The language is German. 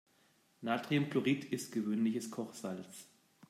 Natriumchlorid ist gewöhnliches Kochsalz.